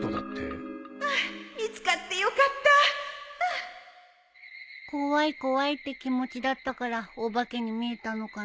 あっ見つかってよかった怖い怖いって気持ちだったからお化けに見えたのかな。